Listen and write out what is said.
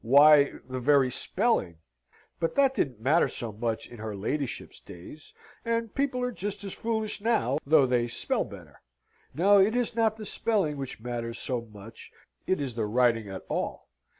Why, the very spelling but that didn't matter so much in her ladyship's days, and people are just as foolish now, though they spell better. No, it is not the spelling which matters so much; it is the writing at all.